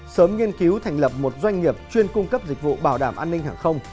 sớm nghiên cứu thành lập một doanh nghiệp chuyên cung cấp dịch vụ bảo đảm an ninh hàng không